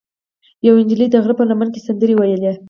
یوه نجلۍ د غره په لمن کې سندرې ویلې.